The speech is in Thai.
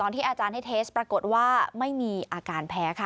ที่อาจารย์ให้เทสปรากฏว่าไม่มีอาการแพ้ค่ะ